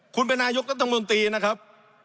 คุณเป็นนายกรัฐมนตรีนะครับ